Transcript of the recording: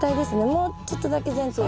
もうちょっとだけ全体？